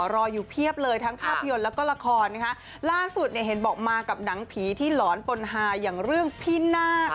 รออยู่เพียบเลยทั้งภาพยนตร์แล้วก็ละครนะคะล่าสุดเนี่ยเห็นบอกมากับหนังผีที่หลอนปนหาอย่างเรื่องพี่นาค